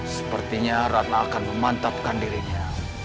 sepertinya ratna akan memantapkan dirinya